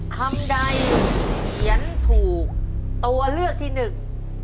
คำใดเขียนถูกตัวเลือกที่หนึ่ง